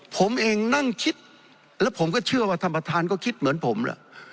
ผมเองนั่งคิดแล้วผมก็เชื่อว่าท่านประธานก็คิดเหมือนผมแหละ